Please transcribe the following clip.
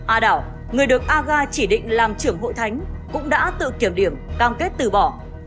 a đảo người được aga chỉ định làm trưởng hội thánh cũng đã tự kiểm điểm cam kết từ bỏ